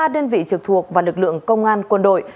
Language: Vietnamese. hai mươi ba đơn vị trực thuộc và lực lượng công an quân đội